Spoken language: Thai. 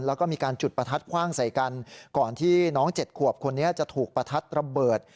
แล้วก็มีการจุดประทัดคว่างใส่กันก่อนที่น้อง๗ขวบคนนี้จะถูกประทัดระเบิด